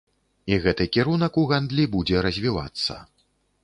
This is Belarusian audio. І гэты кірунак у гандлі будзе развівацца.